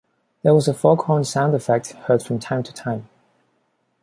There was a foghorn sound effect heard from time to time.